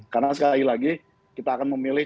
karena sekali lagi kita akan memilih